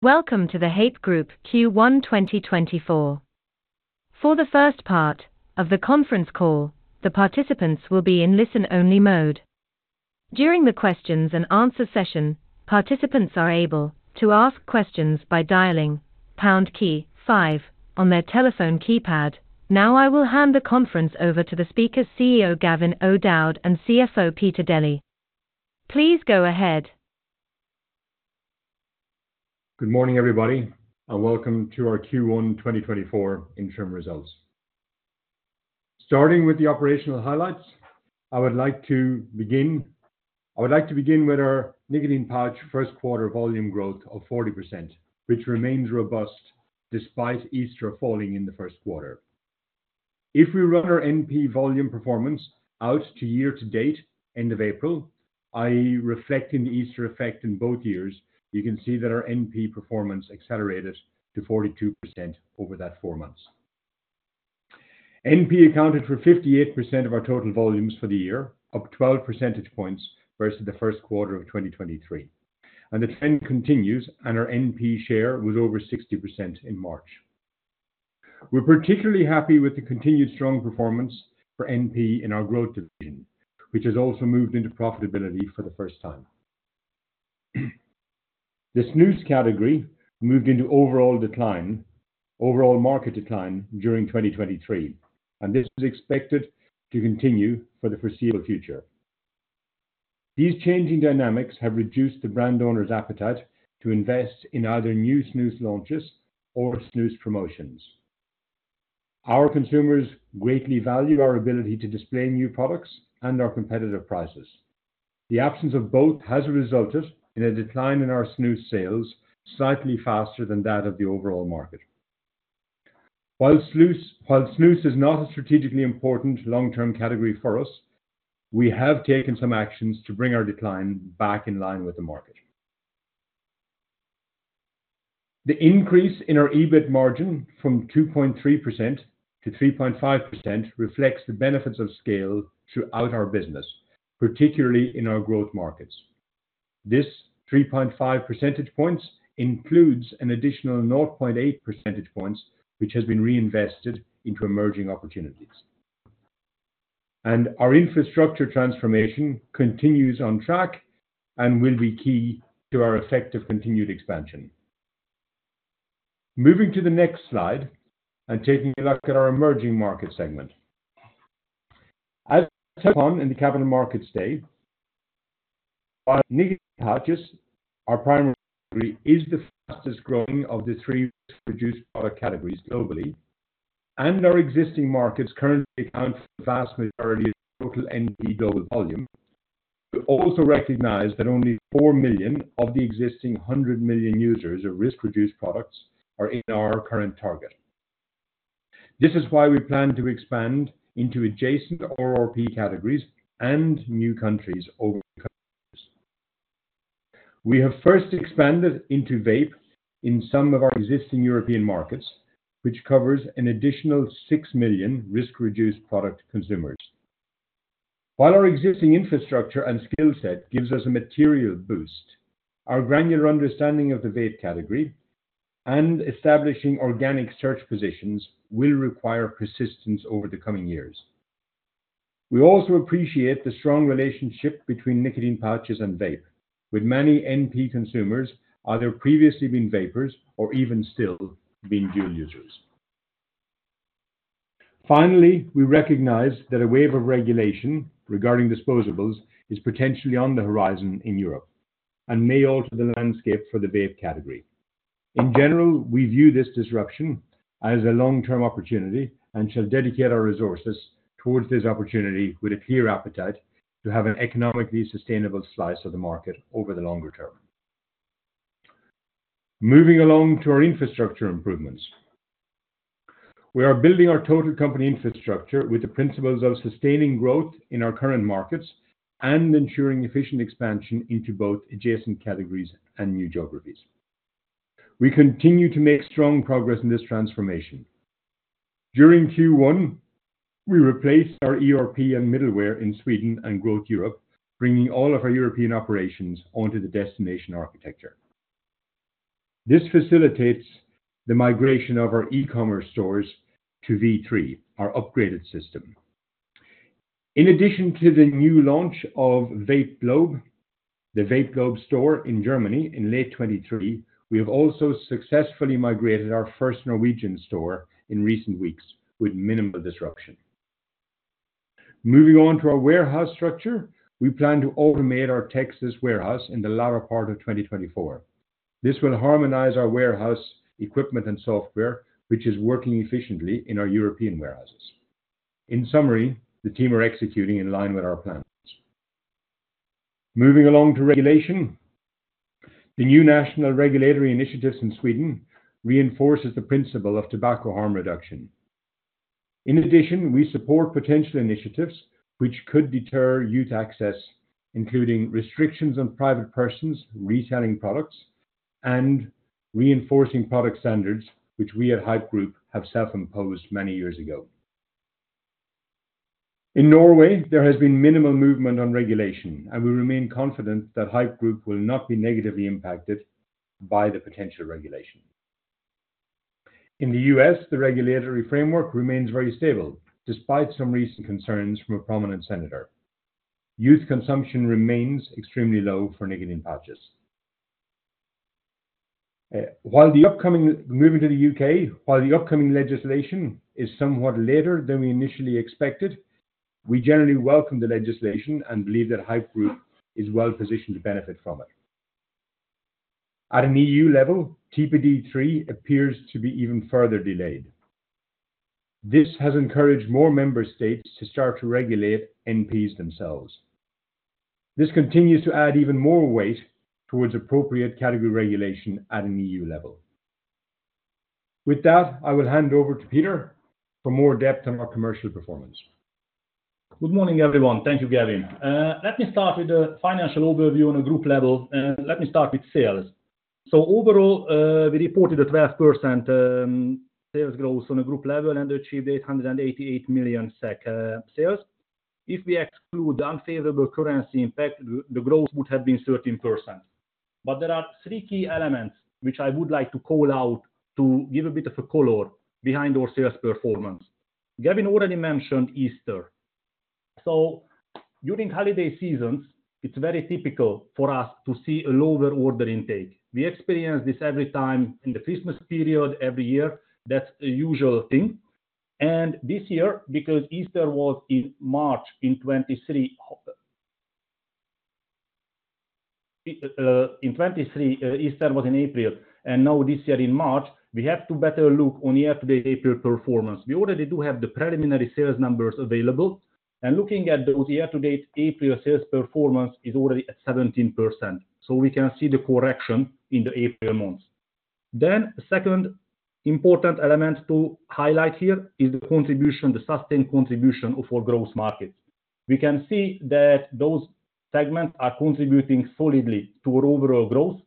Welcome to the Haypp Group Q1 2024. For the first part of the conference call, the participants will be in listen-only mode. During the questions-and-answers session, participants are able to ask questions by dialing pound key five on their telephone keypad. Now I will hand the conference over to the speakers, CEO Gavin O'Dowd and CFO Peter Deli. Please go ahead. Good morning everybody, and welcome to our Q1 2024 interim results. Starting with the operational highlights, I would like to begin with our nicotine pouch first quarter volume growth of 40%, which remains robust despite Easter falling in the first quarter. If we run our NP volume performance out to year-to-date, end of April, i.e., reflecting the Easter effect in both years, you can see that our NP performance accelerated to 42% over that four months. NP accounted for 58% of our total volumes for the year, up 12 percentage points vs the first quarter of 2023, and the trend continues, and our NP share was over 60% in March. We're particularly happy with the continued strong performance for NP in our growth division, which has also moved into profitability for the first time. This snus category moved into overall decline, overall market decline during 2023, and this is expected to continue for the foreseeable future. These changing dynamics have reduced the brand owners' appetite to invest in either new Snus launches or Snus promotions. Our consumers greatly value our ability to display new products and our competitive prices. The absence of both has resulted in a decline in our Snus sales slightly faster than that of the overall market. While Snus is not a strategically important long-term category for us, we have taken some actions to bring our decline back in line with the market. The increase in our EBIT margin from 2.3% to 3.5% reflects the benefits of scale throughout our business, particularly in our growth markets. This 3.5 percentage points includes an additional 0.8 percentage points, which has been reinvested into emerging opportunities. Our infrastructure transformation continues on track and will be key to our effective continued expansion. Moving to the next slide and taking a look at our emerging market segment. As we touched upon in the Capital Markets Day, while nicotine pouches, our primary category is the fastest growing of the three risk-reduced product categories globally, and our existing markets currently account for the vast majority of total NP global volume, we also recognize that only 4 million of the existing 100 million users of risk-reduced products are in our current target. This is why we plan to expand into adjacent RRP categories and new countries over the country. We have first expanded into Vape in some of our existing European markets, which covers an additional 6 million risk-reduced product consumers. While our existing infrastructure and skill set gives us a material boost, our granular understanding of the Vape category and establishing organic search positions will require persistence over the coming years. We also appreciate the strong relationship between nicotine pouches and Vape, with many NP consumers either previously been vapers or even still been dual users. Finally, we recognize that a wave of regulation regarding disposables is potentially on the horizon in Europe and may alter the landscape for the Vape category. In general, we view this disruption as a long-term opportunity and shall dedicate our resources towards this opportunity with a clear appetite to have an economically sustainable slice of the market over the longer term. Moving along to our infrastructure improvements. We are building our total company infrastructure with the principles of sustaining growth in our current markets and ensuring efficient expansion into both adjacent categories and new geographies. We continue to make strong progress in this transformation. During Q1, we replaced our ERP and middleware in Sweden and Growth Europe, bringing all of our European operations onto the destination architecture. This facilitates the migration of our e-commerce stores to V3, our upgraded system. In addition to the new launch of VapeGlobe, the Vape Globe store in Germany in late 2023, we have also successfully migrated our first Norwegian store in recent weeks with minimal disruption. Moving on to our warehouse structure, we plan to automate our Texas warehouse in the latter part of 2024. This will harmonize our warehouse equipment and software, which is working efficiently in our European warehouses. In summary, the team are executing in line with our plans. Moving along to regulation. The new national regulatory initiatives in Sweden reinforce the principle of tobacco harm reduction. In addition, we support potential initiatives which could deter youth access, including restrictions on private persons reselling products and reinforcing product standards which we at Haypp Group have self-imposed many years ago. In Norway, there has been minimal movement on regulation, and we remain confident that Haypp Group will not be negatively impacted by the potential regulation. In the U.S., the regulatory framework remains very stable despite some recent concerns from a prominent senator. Youth consumption remains extremely low for nicotine pouches. While the upcoming legislation is somewhat later than we initially expected, we generally welcome the legislation and believe that Haypp Group is well positioned to benefit from it. At an EU level, TPD3 appears to be even further delayed. This has encouraged more member states to start to regulate NPs themselves. This continues to add even more weight towards appropriate category regulation at an EU level. With that, I will hand over to Peter for more depth on our commercial performance. Good morning everyone. Thank you, Gavin. Let me start with the financial overview on a group level, and let me start with sales. So overall, we reported a 12% sales growth on a group level and achieved 888 million SEK sales. If we exclude the unfavorable currency impact, the growth would have been 13%. But there are three key elements which I would like to call out to give a bit of a color behind our sales performance. Gavin already mentioned Easter. So during holiday seasons, it's very typical for us to see a lower order intake. We experience this every time in the Christmas period every year. That's a usual thing. And this year, because in 2023 Easter was in April, and now this year in March, we have to better look on year-to-date April performance. We already do have the preliminary sales numbers available, and looking at those year-to-date April sales performance is already at 17%, so we can see the correction in the April months. Then a second important element to highlight here is the contribution, the sustained contribution of our growth markets. We can see that those segments are contributing solidly to our overall growth.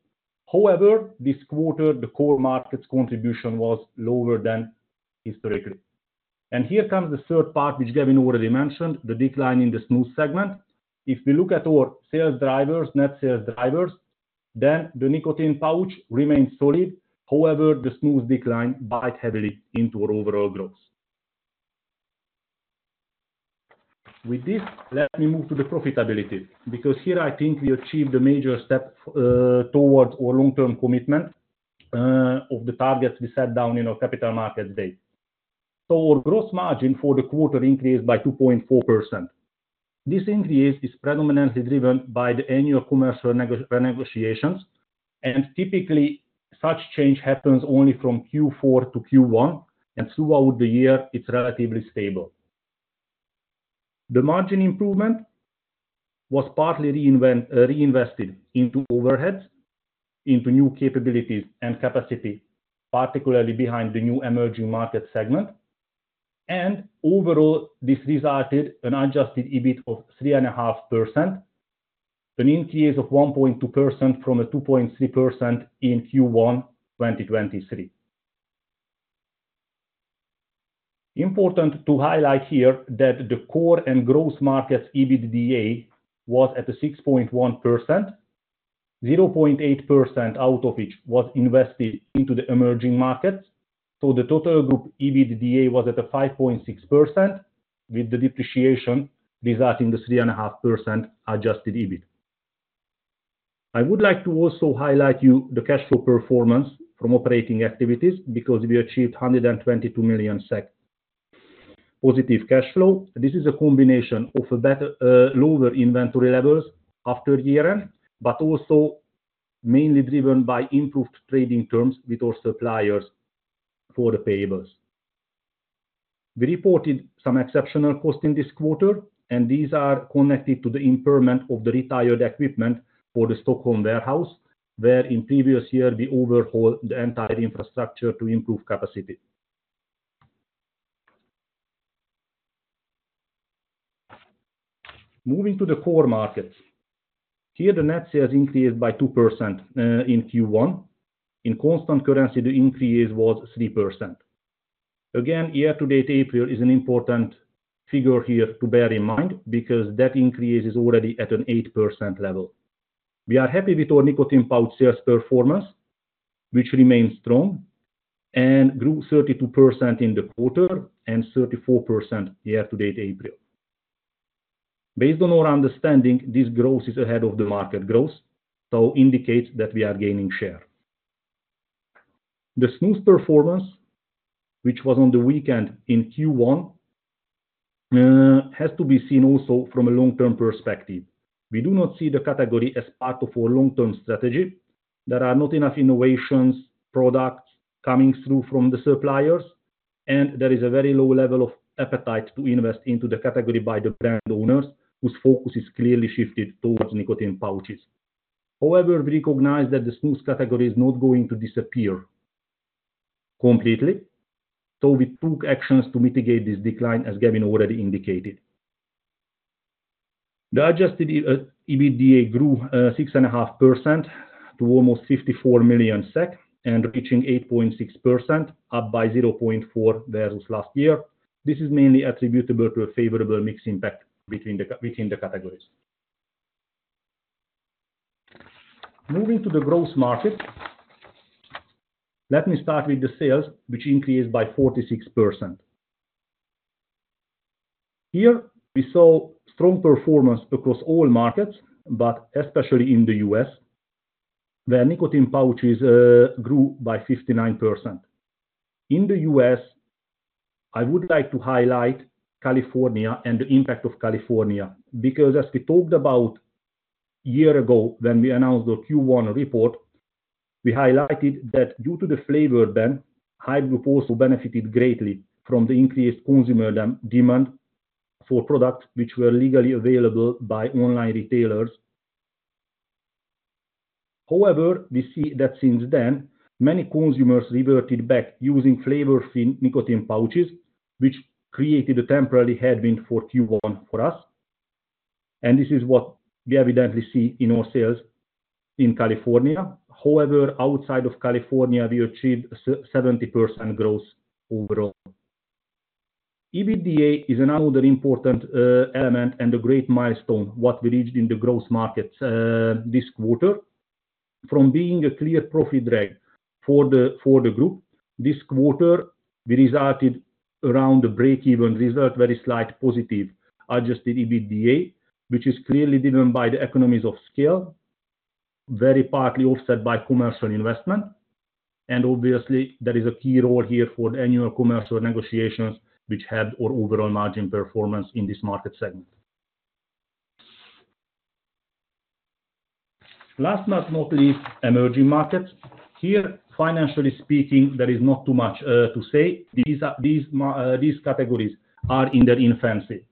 However, this quarter, the core market's contribution was lower than historically. And here comes the third part which Gavin already mentioned, the decline in the Snus segment. If we look at our sales drivers, net sales drivers, then the nicotine pouch remains solid. However, the Snus decline bites heavily into our overall growth. With this, let me move to the profitability, because here I think we achieved the major step towards our long-term commitment of the targets we set down in our Capital Markets Day. So our gross margin for the quarter increased by 2.4%. This increase is predominantly driven by the annual commercial renegotiations, and typically such change happens only from Q4 to Q1, and throughout the year it's relatively stable. The margin improvement was partly reinvested into overheads, into new capabilities and capacity, particularly behind the new emerging market segment. And overall, this resulted in an adjusted EBIT of 3.5%, an increase of 1.2% from 2.3% in Q1 2023. Important to highlight here that the core and growth markets EBITDA was at 6.1%, 0.8% out of which was invested into the emerging markets. So the total group EBITDA was at 5.6%, with the depreciation resulting in 3.5% adjusted EBIT. I would like to also highlight the cash flow performance from operating activities because we achieved 122 million SEK positive cash flow. This is a combination of lower inventory levels after year end, but also mainly driven by improved trading terms with our suppliers for the payables. We reported some exceptional costs in this quarter, and these are connected to the impairment of the retired equipment for the Stockholm warehouse, where, in the previous year, we overhauled the entire infrastructure to improve capacity. Moving to the core markets. Here, the net sales increased by 2% in Q1. In constant currency, the increase was 3%. Again, year-to-date April is an important figure here to bear in mind because that increase is already at an 8% level. We are happy with our nicotine pouch sales performance, which remained strong and grew 32% in the quarter and 34% year-to-date April. Based on our understanding, this growth is ahead of the market growth, so indicates that we are gaining share. The Snus performance, which was on the weak end in Q1, has to be seen also from a long-term perspective. We do not see the category as part of our long-term strategy. There are not enough innovations, products coming through from the suppliers, and there is a very low level of appetite to invest into the category by the brand owners, whose focus is clearly shifted towards nicotine pouches. However, we recognize that the Snus category is not going to disappear completely, so we took actions to mitigate this decline, as Gavin already indicated. The adjusted EBITDA grew 6.5% to almost 54 million SEK and reaching 8.6%, up by 0.4% vs last year. This is mainly attributable to a favorable mix impact between the categories. Moving to the growth markets. Let me start with the sales, which increased by 46%. Here, we saw strong performance across all markets, but especially in the U.S., where nicotine pouches grew by 59%. In the U.S., I would like to highlight California and the impact of California because, as we talked about a year ago when we announced our Q1 report, we highlighted that due to the flavor ban, Haypp Group also benefited greatly from the increased consumer demand for products which were legally available by online retailers. However, we see that since then many consumers reverted back using flavor-free nicotine pouches, which created a temporary headwind for Q1 for us. And this is what we evidently see in our sales in California. However, outside of California, we achieved 70% growth overall. EBITDA is another important element and a great milestone what we reached in the core markets this quarter. From being a clear profit drag for the group, this quarter we resulted around the break-even result, a very slight positive adjusted EBITDA, which is clearly driven by the economies of scale, very partly offset by commercial investment. Obviously, there is a key role here for the annual commercial negotiations, which had our overall margin performance in this market segment. Last but not least, emerging markets. Here, financially speaking, there is not too much to say. These categories are in their infancy.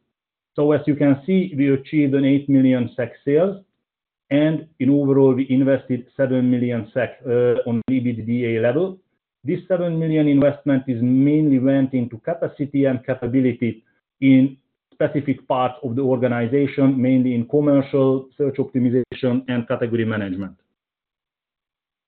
So as you can see, we achieved 8 million SEK sales, and in overall, we invested 7 million SEK on EBITDA level. This 7 million investment mainly went into capacity and capability in specific parts of the organization, mainly in commercial search optimization and category management.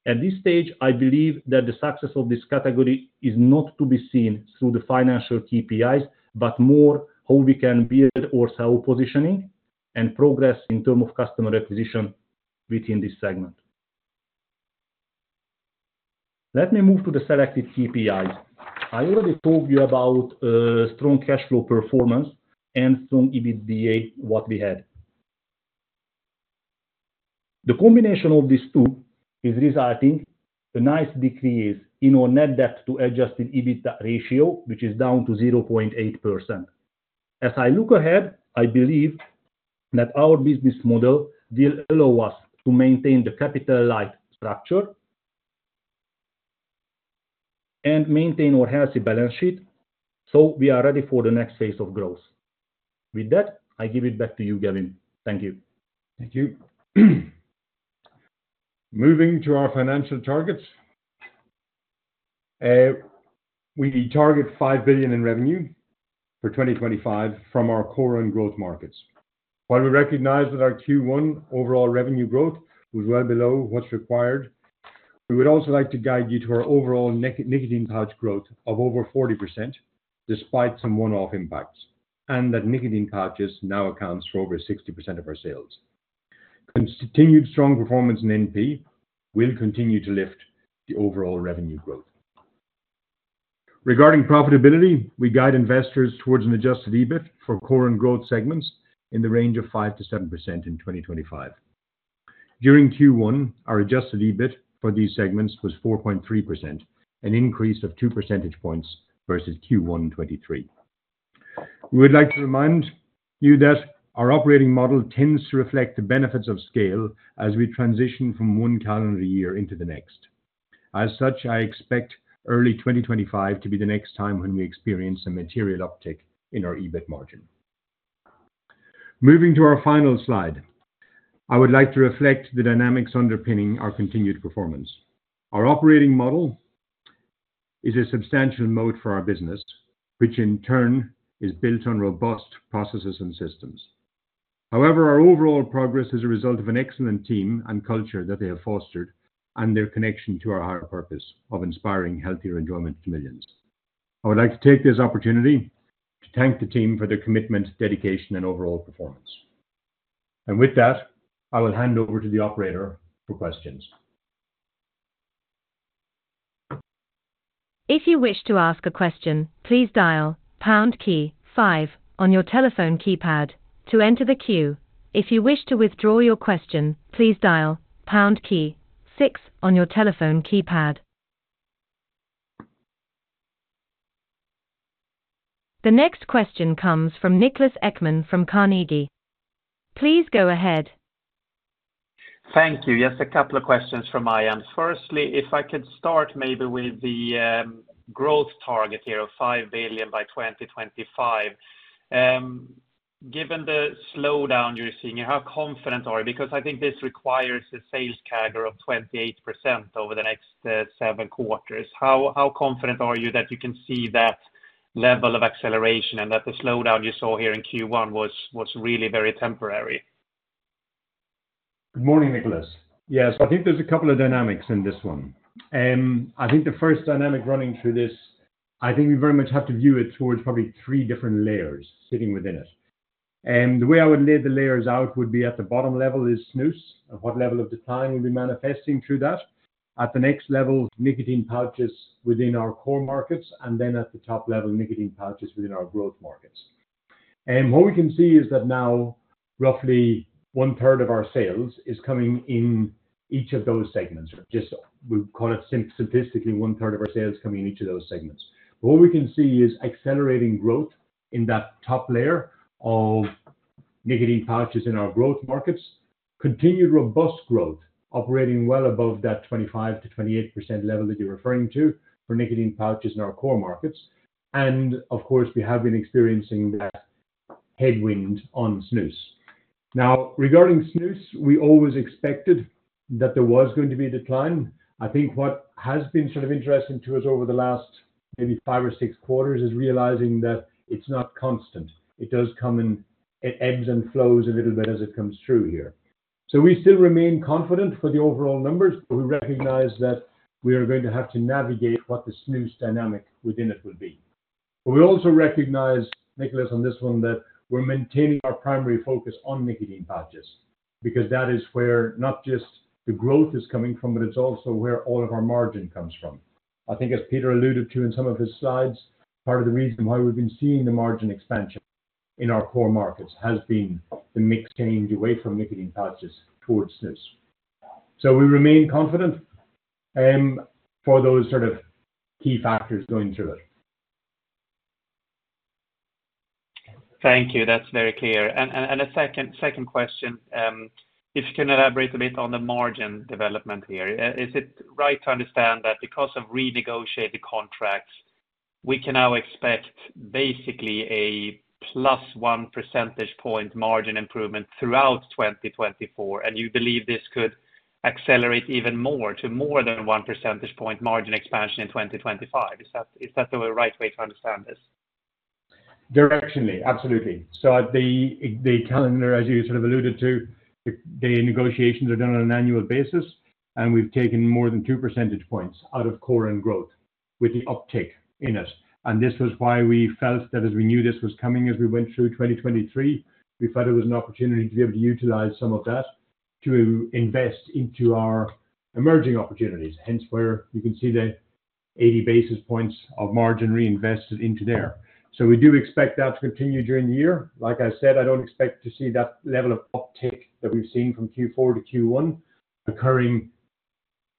At this stage, I believe that the success of this category is not to be seen through the financial KPIs, but more how we can build our sales positioning and progress in terms of customer acquisition within this segment. Let me move to the selected KPIs. I already told you about strong cash flow performance and strong EBITDA, what we had. The combination of these two is resulting in a nice decrease in our net debt to adjusted EBITDA ratio, which is down to 0.8%. As I look ahead, I believe that our business model will allow us to maintain the capital light structure and maintain our healthy balance sheet, so we are ready for the next phase of growth. With that, I give it back to you, Gavin. Thank you. Thank you. Moving to our financial targets. We target 5 billion in revenue for 2025 from our core and growth markets. While we recognize that our Q1 overall revenue growth was well below what's required, we would also like to guide you to our overall nicotine pouch growth of over 40% despite some one-off impacts, and that nicotine pouches now account for over 60% of our sales. Continued strong performance in NP will continue to lift the overall revenue growth. Regarding profitability, we guide investors towards an adjusted EBIT for core and growth segments in the range of 5%-7% in 2025. During Q1, our adjusted EBIT for these segments was 4.3%, an increase of 2 percentage points vs Q1 2023. We would like to remind you that our operating model tends to reflect the benefits of scale as we transition from one calendar year into the next. As such, I expect early 2025 to be the next time when we experience a material uptick in our EBIT margin. Moving to our final slide, I would like to reflect the dynamics underpinning our continued performance. Our operating model is a substantial moat for our business, which in turn is built on robust processes and systems. However, our overall progress is a result of an excellent team and culture that they have fostered and their connection to our higher purpose of inspiring healthier enjoyment to millions. I would like to take this opportunity to thank the team for their commitment, dedication, and overall performance. And with that, I will hand over to the operator for questions. If you wish to ask a question, please dial pound key five on your telephone keypad to enter the queue. If you wish to withdraw your question, please dial pound key six on your telephone keypad. The next question comes from Niklas Ekman from Carnegie. Please go ahead. Thank you. Just a couple of questions from my end. Firstly, if I could start maybe with the growth target here of 5 billion by 2025. Given the slowdown you're seeing here, how confident are you? Because I think this requires a sales CAGR of 28% over the next seven quarters. How confident are you that you can see that level of acceleration and that the slowdown you saw here in Q1 was really very temporary? Good morning, Niklas. Yeah, so I think there's a couple of dynamics in this one. I think the first dynamic running through this, I think we very much have to view it towards probably three different layers sitting within it. The way I would lay the layers out would be at the bottom level is Snus, what level of decline we'll be manifesting through that. At the next level, nicotine pouches within our core markets, and then at the top level, nicotine pouches within our growth markets. What we can see is that now roughly one-third of our sales is coming in each of those segments. We call it simplistically 1/3 of our sales coming in each of those segments. What we can see is accelerating growth in that top layer of nicotine pouches in our growth markets, continued robust growth operating well above that 25%-28% level that you're referring to for nicotine pouches in our core markets. Of course, we have been experiencing that headwind on snus. Now, regarding snus, we always expected that there was going to be a decline. I think what has been sort of interesting to us over the last maybe five or six quarters is realizing that it's not constant. It does come in ebbs and flows a little bit as it comes through here. We still remain confident for the overall numbers, but we recognize that we are going to have to navigate what the snus dynamic within it will be. But we also recognize, Niklas, on this one that we're maintaining our primary focus on nicotine pouches because that is where not just the growth is coming from, but it's also where all of our margin comes from. I think, as Peter alluded to in some of his slides, part of the reason why we've been seeing the margin expansion in our core markets has been the mix change away from nicotine pouches towards snus. So we remain confident for those sort of key factors going through it. Thank you. That's very clear. A second question. If you can elaborate a bit on the margin development here, is it right to understand that because of renegotiated contracts, we can now expect basically a plus 1 percentage point margin improvement throughout 2024, and you believe this could accelerate even more to more than 1 percentage point margin expansion in 2025? Is that the right way to understand this? Directionally, absolutely. So at the calendar, as you sort of alluded to, the negotiations are done on an annual basis, and we've taken more than 2 percentage points out of core and growth with the uptick in it. And this was why we felt that as we knew this was coming, as we went through 2023, we thought it was an opportunity to be able to utilize some of that to invest into our emerging opportunities. Hence where, you can see the 80 basis points of margin reinvested into there. So we do expect that to continue during the year. Like I said, I don't expect to see that level of uptick that we've seen from Q4 to Q1 occurring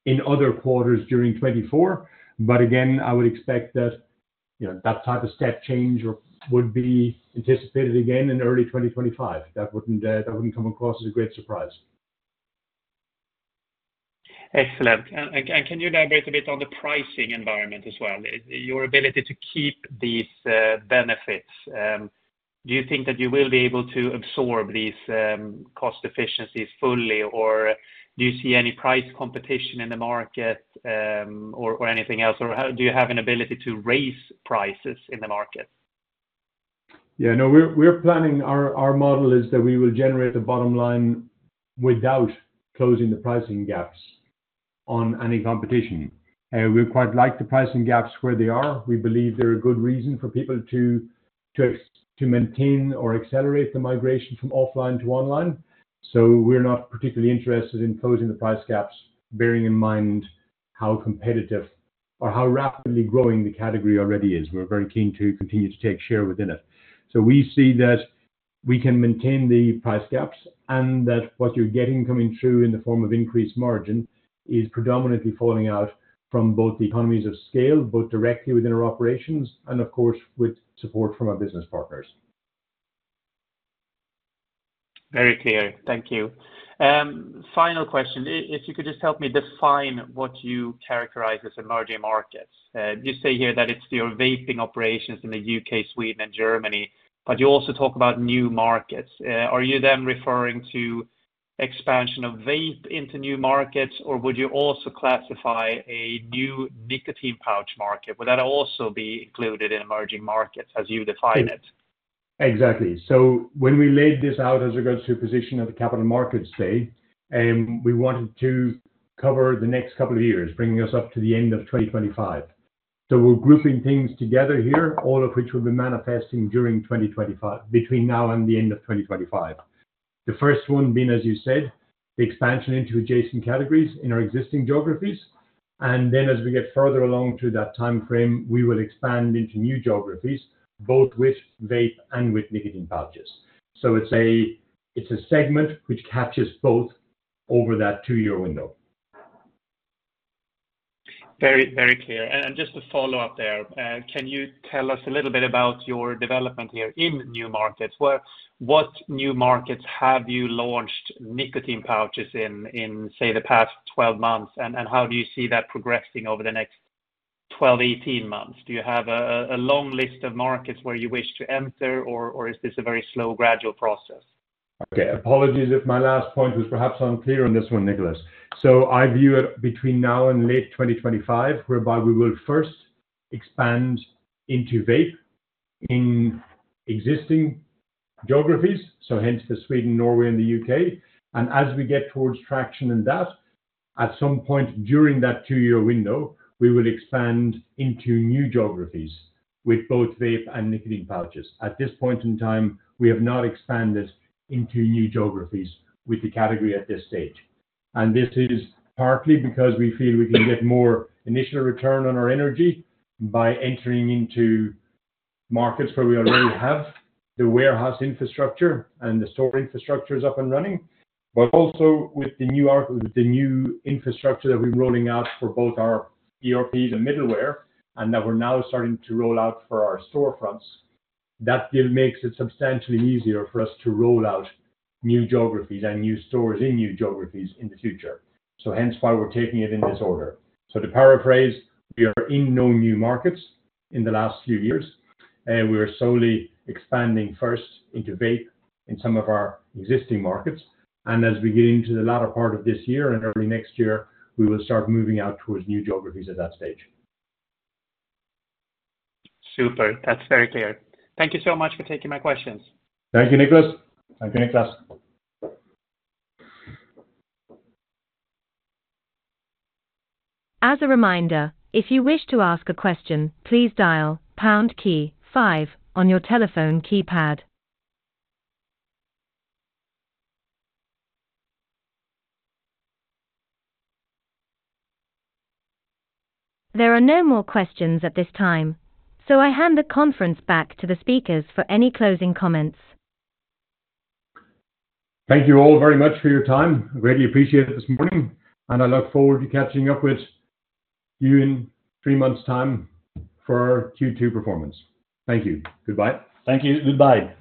in other quarters during 2024. But again, I would expect that that type of step change would be anticipated again in early 2025. That wouldn't come across as a great surprise. Excellent. And can you elaborate a bit on the pricing environment as well? Your ability to keep these benefits, do you think that you will be able to absorb these cost efficiencies fully, or do you see any price competition in the market or anything else? Or do you have an ability to raise prices in the market? Yeah, no, we're planning our model is that we will generate a bottom line without closing the pricing gaps on any competition. We quite like the pricing gaps where they are. We believe they're a good reason for people to maintain or accelerate the migration from offline to online. So we're not particularly interested in closing the price gaps bearing in mind how competitive or how rapidly growing the category already is. We're very keen to continue to take share within it. So we see that we can maintain the price gaps and that what you're getting coming through in the form of increased margin is predominantly falling out from both the economies of scale, both directly within our operations, and of course, with support from our business partners. Very clear. Thank you. Final question. If you could just help me define what you characterize as emerging markets. You say here that it's your vaping operations in the U.K., Sweden, and Germany, but you also talk about new markets. Are you then referring to expansion of vape into new markets, or would you also classify a new nicotine pouch market? Would that also be included in emerging markets as you define it? Exactly. So when we laid this out as regards to the position of the Capital Markets Day, we wanted to cover the next couple of years, bringing us up to the end of 2025. So we're grouping things together here, all of which will be manifesting between now and the end of 2025. The first one being, as you said, the expansion into adjacent categories in our existing geographies. And then as we get further along through that time frame, we will expand into new geographies, both with vape and with nicotine pouches. So it's a segment which catches both over that two year window. Very, very clear. Just to follow up there, can you tell us a little bit about your development here in new markets? What new markets have you launched nicotine pouches in, say, the past 12 months, and how do you see that progressing over the next 12, 18 months? Do you have a long list of markets where you wish to enter, or is this a very slow, gradual process? Okay. Apologies if my last point was perhaps unclear on this one, Niklas. So I view it between now and late 2025, whereby we will first expand into vape in existing geographies, so hence the Sweden, Norway, and the U.K. And as we get towards traction in that, at some point during that two-year window, we will expand into new geographies with both vape and nicotine pouches. At this point in time, we have not expanded into new geographies with the category at this stage. And this is partly because we feel we can get more initial return on our energy by entering into markets where we already have the warehouse infrastructure and the store infrastructure is up and running. Also with the new infrastructure that we've been rolling out for both our ERPs and middleware, and that we're now starting to roll out for our storefronts, that makes it substantially easier for us to roll out new geographies and new stores in new geographies in the future. Hence why we're taking it in this order. To paraphrase, we are in no new markets in the last few years. We are solely expanding first into vape in some of our existing markets. As we get into the latter part of this year and early next year, we will start moving out towards new geographies at that stage. Super. That's very clear. Thank you so much for taking my questions. Thank you, Niklas. Thank you, Niklas. As a reminder, if you wish to ask a question, please dial pound key five on your telephone keypad. There are no more questions at this time, so I hand the conference back to the speakers for any closing comments. Thank you all very much for your time. I greatly appreciate it this morning, and I look forward to catching up with you in three months' time for our Q2 performance. Thank you. Goodbye. Thank you. Goodbye.